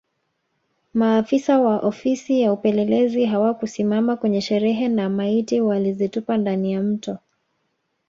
Maafisa wa Ofisi ya Upelelezi hawakusimama kwenye sherehe na maiti walizitupa ndani ya Mto